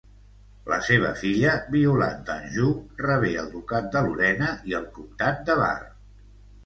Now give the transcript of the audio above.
La seva filla Violant d'Anjou rebé el ducat de Lorena i el comtat de Bar.